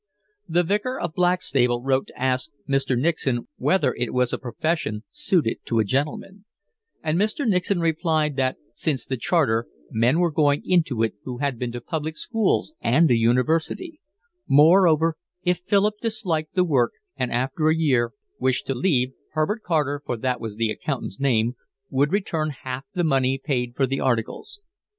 The Vicar of Blackstable wrote to ask Mr. Nixon whether it was a profession suited to a gentleman; and Mr. Nixon replied that, since the Charter, men were going into it who had been to public schools and a university; moreover, if Philip disliked the work and after a year wished to leave, Herbert Carter, for that was the accountant's name, would return half the money paid for the articles.